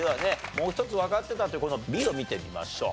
もう一つわかってたっていうこのＢを見てみましょう。